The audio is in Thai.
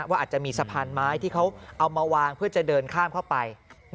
ว่าอาจจะมีสะพานไม้ที่เขาเอามาวางเพื่อจะเดินข้ามเข้าไป